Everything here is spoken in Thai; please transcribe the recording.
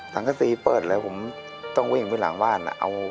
สังฆษีเปิดแล้วผมต้องวิ่งไปหลังบ้าน